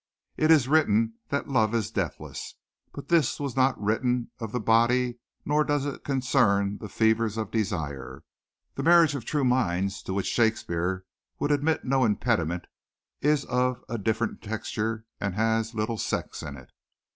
It is written that love is deathless, but this was not written of the body nor does it concern the fevers of desire. The marriage of true minds to which Shakespeare would admit no impediment is of a different texture and has little sex in it.